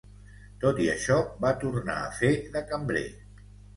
Tot i això, va tornar a fer de cambrer.